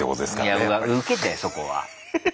いやウケてそこは。